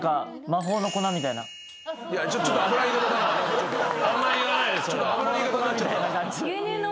魔法の粉みたいな感じ。